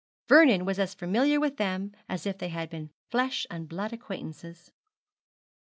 Vernon was as familiar with them as if they had been flesh and blood acquaintances.